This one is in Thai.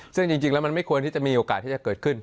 ซึ่งจริงแล้วมันไม่ควรที่จะมีโอกาสที่จะเกิดขึ้น